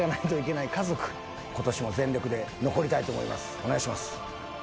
お願いします。